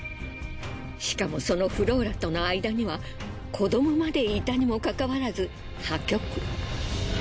しかもそのフローラとの間には子どもまでいたにもかかわらず破局。